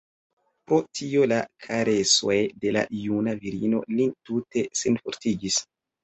Pro tio la karesoj de la juna virino lin tute senfortigis.